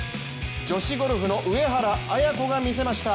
女子ゴルフの上原彩子がみせました。